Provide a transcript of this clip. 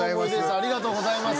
ありがとうございます。